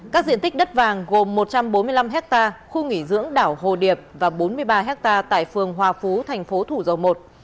các diện tích đất vàng gồm một trăm bốn mươi năm hectare khu nghỉ dưỡng đảo hồ điệp và bốn mươi ba hectare tại phường hòa phú thành phố thủ dầu một